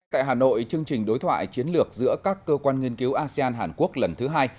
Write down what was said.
tại hà nội chương trình đối thoại chiến lược giữa các cơ quan nghiên cứu asean hàn quốc lần thứ hai